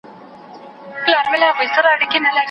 د خلکو ترمنځ باید تل خوشالي او مینه ووېشل سي.